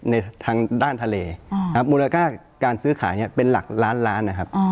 ในทางด้านทะเลมูลค่าการซื้อขายเนี่ยเป็นหลักล้านล้านนะครับ